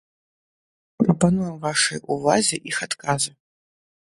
Прапануем вашай увазе іх адказы.